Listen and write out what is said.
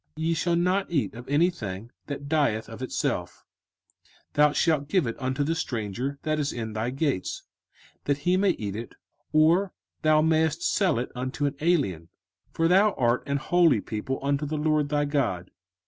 05:014:021 Ye shall not eat of anything that dieth of itself: thou shalt give it unto the stranger that is in thy gates, that he may eat it; or thou mayest sell it unto an alien: for thou art an holy people unto the LORD thy God.